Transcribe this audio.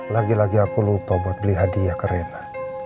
lagi lagi aku lupa buat beli hadiah ke rena